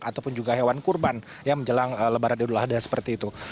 ataupun juga hewan kurban yang menjelang lebaran idul adha seperti itu